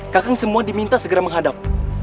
kakek semua diminta segera menghadap